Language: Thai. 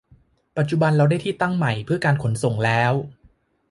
ปัจจุบันเราได้ที่ตั้งใหม่เพื่อการขนส่งแล้ว